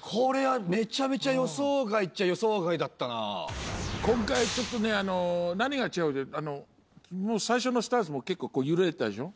これはメチャメチャ予想外っちゃ予想外だったな今回ちょっとね何が違うって最初のスタートも結構こうゆれたでしょ？